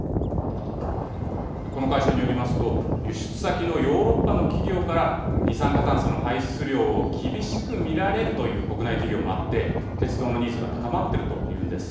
この会社によりますと、輸出先のヨーロッパの企業から二酸化炭素の排出量を厳しく見られるという国内企業もあって、鉄道のニーズが高まっているというんです。